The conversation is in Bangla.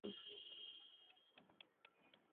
পাণ্ডুর ঠোঁটজোড়া একটু পাতলা, কিন্তু অদ্ভুত সুন্দর।